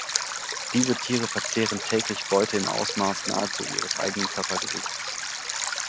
Diese Tiere verzehren täglich Beute im Ausmaß nahezu ihres eigenen Körpergewichts.